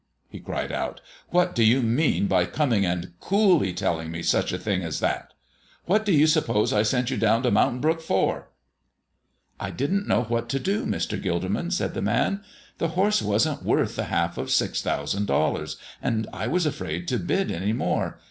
he cried out, "what do you mean by coming and coolly telling me such a thing as that? What do you suppose I sent you down to Mountain Brook for?" "I didn't know what to do, Mr. Gilderman," said the man. "The horse wasn't worth the half of six thousand dollars, and I was afraid to bid any more.